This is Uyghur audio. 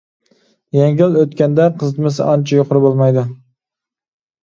يەڭگىل ئۆتكەندە قىزىتمىسى ئانچە يۇقىرى بولمايدۇ.